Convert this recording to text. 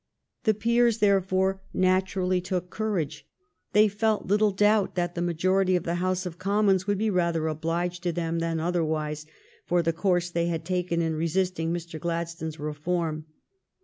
The peers, therefore, naturally took courage. They felt little doubt that the majority of the House of Commons would be rather obliged to them than otherwise for the course they had taken in resisting Mr. Gladstones reform.